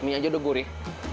mie aja udah gurih